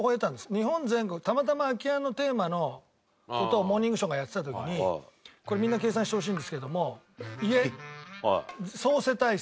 日本全国たまたま空き家のテーマの事を『モーニングショー』がやってた時にこれみんな計算してほしいんですけれども家総世帯数。